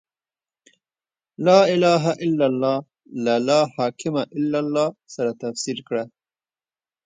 «لا اله الا الله» له «لا حاکم الا الله» سره تفسیر کړه.